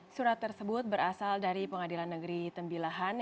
surat tersebut berasal dari pengadilan negeri tembilahan